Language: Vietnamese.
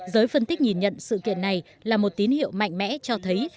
giới phân tích nhìn nhận sự kiện này là một tín hiệu mạnh mẽ cho thấy